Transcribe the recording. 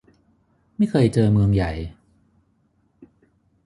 ไม่เคยเจอเมืองใหญ่